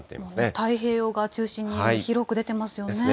太平洋側中心に広く出てますですね。